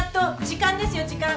時間ですよ時間。